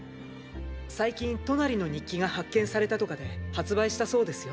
最近トナリの日記が発見されたとかで発売したそうですよ。